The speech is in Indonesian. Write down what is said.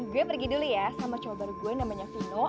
gue pergi dulu ya sama cowok baru gue namanya vino